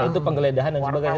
itu penggeledahan dan sebagainya